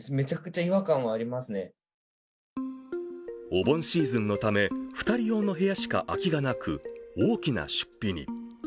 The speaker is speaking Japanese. お盆シーズンのため、２人用の部屋しか空きがなく大きな出費に。